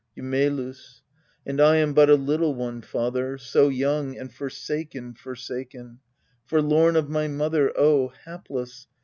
Eumclus. And I am but a little one, father so young, and forsaken, forsaken, Forlorn of my mother O hapless